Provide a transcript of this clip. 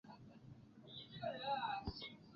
我的孙子总在你广播时打开收音机调整音节。